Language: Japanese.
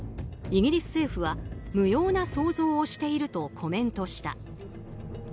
イギリス政府は無用な想像をしているとコメントした。